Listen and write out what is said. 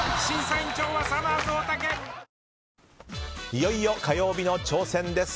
いよいよ火曜日の挑戦です。